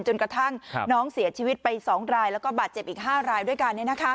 จนกระทั่งน้องเสียชีวิตไป๒รายแล้วก็บาดเจ็บอีก๕รายด้วยกัน